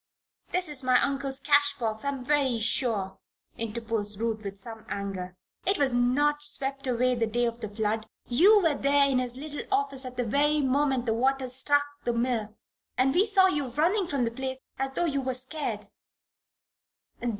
"This is my uncle's cash box, I am very sure," interposed Ruth, with some anger. "It was not swept away the day of the flood. You were there in his little office at the very moment the waters struck the mill, and we saw you running from the place as though you were scared."